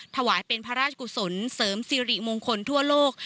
ถวายเป็นพระราชกุศลเสริมสิริมงคลทั่วโลก